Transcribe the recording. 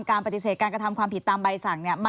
การปฏิเสธการกระทำความผิดตามใบสั่งเนี่ย